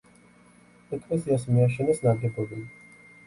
ეკლესიას მიაშენეს ნაგებობები.